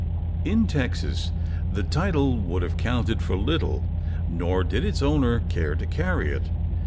In Texas the title would have counted for little; nor did its owner care to carry it.